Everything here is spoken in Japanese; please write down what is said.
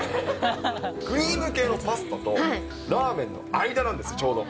クリーム系のパスタとラーメンの間なんですよ、ちょうど。